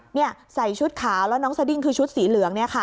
นี่ใส่ชุดขาวแล้วน้องสดิ้งคือชุดสีเหลือง